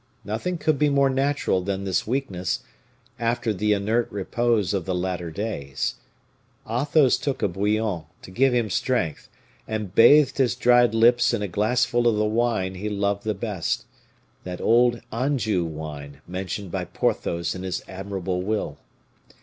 Nothing could be more natural than this weakness after then inert repose of the latter days. Athos took a bouillon, to give him strength, and bathed his dried lips in a glassful of the wine he loved the best that old Anjou wine mentioned by Porthos in his admirable will.